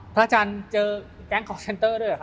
พระอาจารย์เจอแก๊งคอร์เซ็นเตอร์ด้วยเหรอ